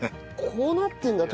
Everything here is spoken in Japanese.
こうなってるんだ！